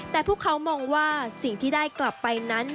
แต่พวกเขามองว่าสิ่งที่ได้กลับไปนั้น